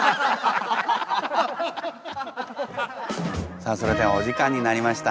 さあそれではお時間になりました。